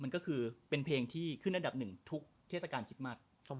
ก็คือเป็นเพลงที่ขึ้นระดับ๑ทุกเทศกาลฮิตมัส